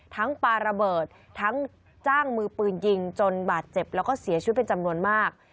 ปลาระเบิดทั้งจ้างมือปืนยิงจนบาดเจ็บแล้วก็เสียชีวิตเป็นจำนวนมาก